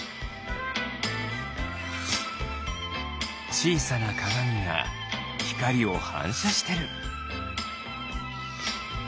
ちいさなかがみがひかりをはんしゃしてる。